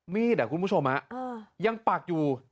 มีดอ่ะคุณผู้ชมอ่ะยังปักอยู่